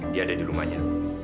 dia ada di rumahnya